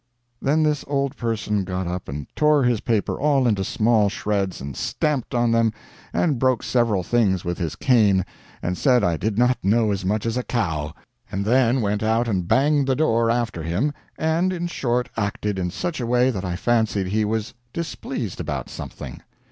Then this old person got up and tore his paper all into small shreds, and stamped on them, and broke several things with his cane, and said I did not know as much as a cow; and then went out and banged the door after him, and, in short, acted in such a way that I fancied he was displeased about something.